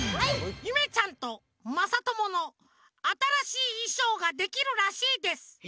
ゆめちゃんとまさとものあたらしいいしょうができるらしいです。